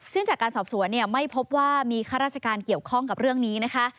ซึ่งจากการสอบสวนเนี่ยไม่พบว่ามีข้าราชการเกี่ยวข้องกับเรื่องนี้นะคะ